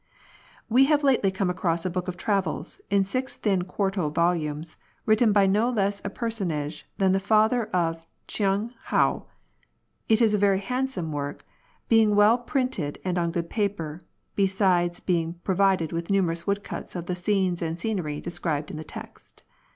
We have lately come across a book of travels, in six thin quarto volumes, written by no less a personage than the father of Ch'ung hou. It is a very handsome work, being well printed and on good paper, besides being provided with numerous woodcuts of the scenes and scenery described in the text.